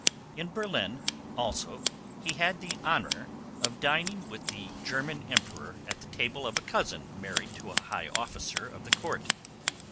In Berlin also he had the honor of dining with the German Emperor at the table of a cousin married to a high officer of the court.